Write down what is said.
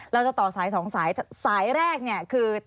เราจะต่อสาย๒สายสายแรกคือ